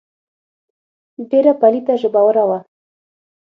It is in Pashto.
ډېره پليته ژبوره وه.